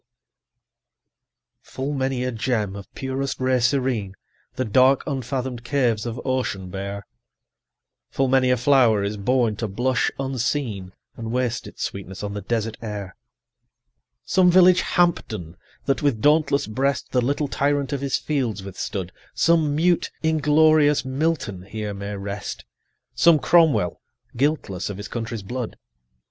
Full many a gem of purest ray serene The dark unfathom'd caves of ocean bear; Full many a flower is born to blush unseen, 55 And waste its sweetness on the desert air. Some village Hampden, that with dauntless breast The little tyrant of his fields withstood, Some mute inglorious Milton here may rest, Some Cromwell, guiltless of his country's blood.